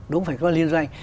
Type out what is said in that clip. đúng phải có liên doanh